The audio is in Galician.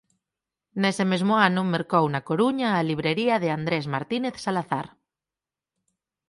Nese mesmo ano mercou na Coruña a librería de Andrés Martínez Salazar.